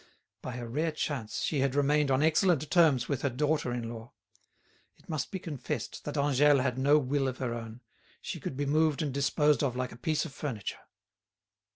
By a rare chance she had remained on excellent terms with her daughter in law. It must be confessed that Angèle had no will of her own—she could be moved and disposed of like a piece of furniture.